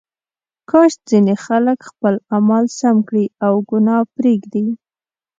کاش ځینې خلک خپل اعمال سم کړي او ګناه پرېږدي.